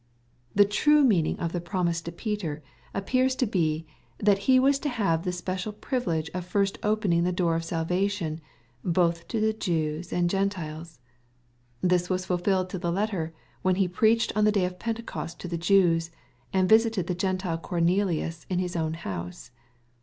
The true meaning of the promise to Peter appears to be, that he was to have the special privilege of first open ing the door of salvation, both to the Jews and Gentiles. This was fulfilled to the letter, when he preached on the day of Pentecost to the Jews, and visited the Gentile Cornelius at his own house.